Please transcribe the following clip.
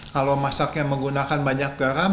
kalau masaknya menggunakan banyak garam